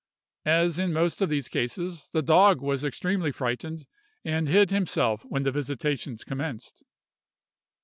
As in most of these cases, the dog was extremely frightened, and hid himself when the visitations commenced.